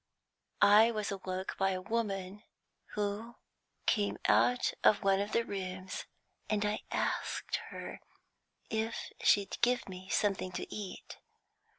I was awoke by a woman who came out of one of the rooms, and I asked her if she'd give me something to eat.